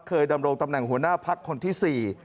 ดำรงตำแหน่งหัวหน้าพักคนที่๔